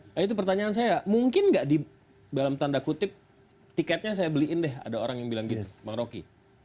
nah itu pertanyaan saya mungkin nggak di dalam tanda kutip tiketnya saya beliin deh ada orang yang bilang gitu bang rocky